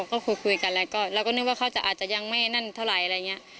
ก็คุยกันแล้วก็เราก็นึกว่าเขาจะอาจจะยังไม่นั่นเท่าไหร่อะไรอย่างนี้